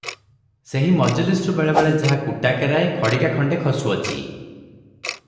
ସେହି ମଜଲିସ୍ରୁ ବେଳେବେଳେ ଯାହା କୁଟାକେରାଏ, ଖଡ଼ିକାଖଣ୍ତେ ଖସୁଅଛି ।